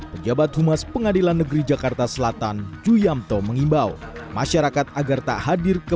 pejabat humas pengadilan negeri jakarta selatan ju yamto mengimbau masyarakat agar tak hadir ke